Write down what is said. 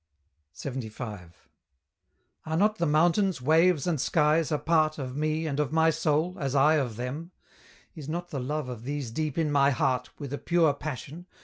LXXV. Are not the mountains, waves, and skies a part Of me and of my soul, as I of them? Is not the love of these deep in my heart With a pure passion?